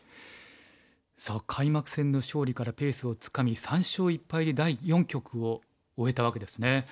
さあ開幕戦の勝利からペースをつかみ３勝１敗で第四局を終えたわけですね。